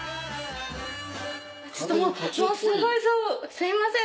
すみません